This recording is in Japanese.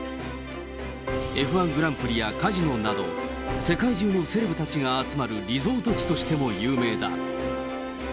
Ｆ１グランプリや、カジノなど、世界中のセレブ達が集まるリゾート地としても有名だ。